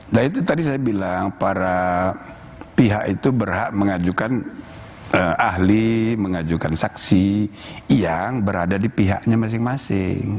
nah itu tadi saya bilang para pihak itu berhak mengajukan ahli mengajukan saksi yang berada di pihaknya masing masing